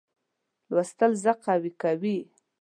لوستل زه قوي کوي.